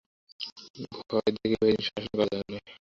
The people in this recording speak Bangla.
ভয় দেখিয়ে বেশিদিন শাসন করা যায় না।